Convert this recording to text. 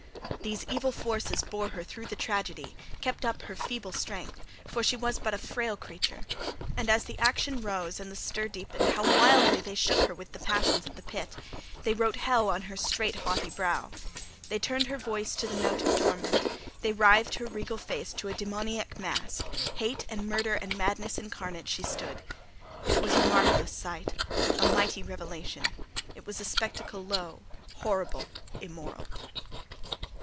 These evil forces bore her through the tragedy, kept up her feeble strength—for she was but a frail creature; and as the action rose and the stir deepened, how wildly they shook her with their passions of the pit! They wrote HELL on her straight, haughty brow. They tuned her voice to the note of torment. They writhed her regal face to a demoniac mask. Hate and Murder and Madness incarnate she stood. It was a marvellous sight: a mighty revelation. It was a spectacle low, horrible, immoral.